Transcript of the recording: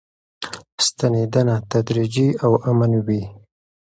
ستنېدنه تدریجي او امن وي.